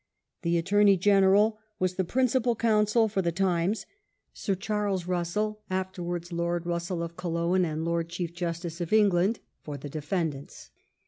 The Attorney General was the principal counsel for The Times, Sir Charles Russell, afterwards Lord Russell of Killowen and Lord Chief Justice of England, for the defendants.